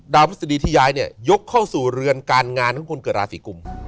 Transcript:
พฤษฎีที่ย้ายเนี่ยยกเข้าสู่เรือนการงานของคนเกิดราศีกุม